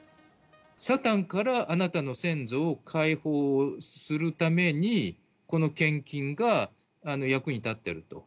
サタンからあなたの先祖を解放するために、この献金が役に立ってると。